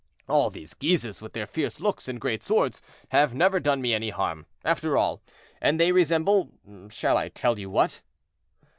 All these Guises, with their fierce looks and great swords, have never done me any harm, after all, and they resemble—shall I tell you what?"